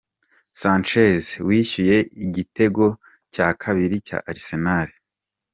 sanchez wishyuye igitego cya kabiri cya Arsenal